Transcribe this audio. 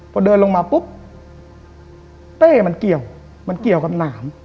พอเดินลงมาปุ๊บเป้มันเกี่ยวกับหนาม